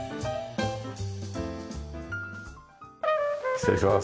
失礼します。